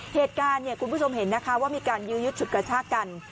เหตุการณ์เนี่ยคุณผู้ชมเห็นนะคะว่ามีการยื้อยุดฉุดกระชากัน